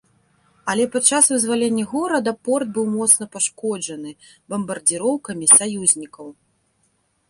Але пад час вызвалення горада, порт быў моцна пашкоджаны бамбардзіроўкамі саюзнікаў.